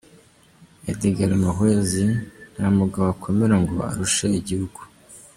Edgar Muhwezi: “Nta mugabo wakomera ngo arushe igihugu.